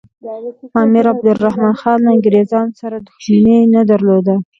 امیر عبدالرحمن خان له انګریزانو سره دښمني نه درلوده.